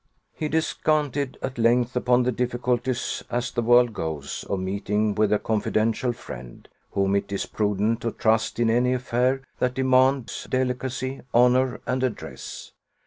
He descanted at length upon the difficulties, as the world goes, of meeting with a confidential friend, whom it is prudent to trust in any affair that demands delicacy, honour, and address.